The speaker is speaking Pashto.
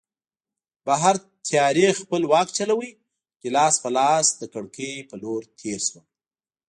بهر تیارې خپل واک چلاوه، ګیلاس په لاس د کړکۍ په لور تېر شوم.